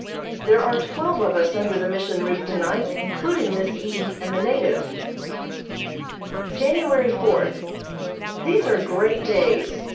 There are twelve of us under the Mission roof tonight, including Miss E. and the native. January fourth: These are great days.